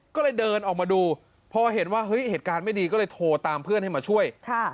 ก็เลยเดินออกมาดูพอเห็นว่าเฮ้ยเหตุการณ์ไม่ดีก็เลยโทรตามเพื่อนให้มาช่วย